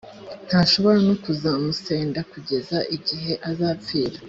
ntashobora no kuzamusenda kugeza igihe azapfira.